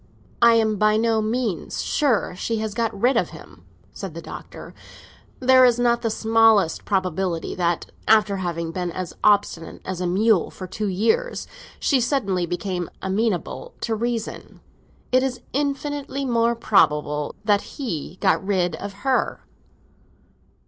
"I am by no means sure she has got rid of him," the Doctor said. "There is not the smallest probability that, after having been as obstinate as a mule for two years, she suddenly became amenable to reason. It is infinitely more probable that he got rid of her."